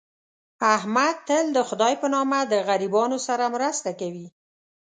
احمد تل دخدی په نامه د غریبانو سره مرسته کوي.